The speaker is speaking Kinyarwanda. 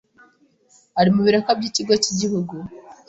ari mu biraka by’ikigo cy’igihugu